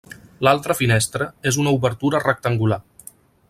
L'altra finestra és una obertura rectangular.